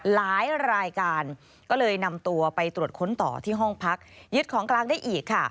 หลายรายการก็เลยนำตัวไปตรวจค้นต่อที่ห้องพักยึดของกลางได้อีกค่ะ